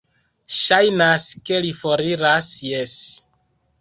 Ŝajnas, ke li foriras... jes.